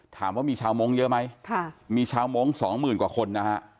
ถามว่ามีชาวมงค์เยอะไหมมีชาวมงค์สองหมื่นกว่าคนนะฮะ